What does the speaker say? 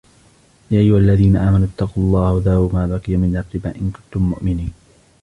يَا أَيُّهَا الَّذِينَ آمَنُوا اتَّقُوا اللَّهَ وَذَرُوا مَا بَقِيَ مِنَ الرِّبَا إِنْ كُنْتُمْ مُؤْمِنِينَ